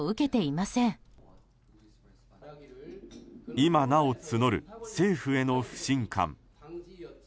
今なお募る、政府への不信感。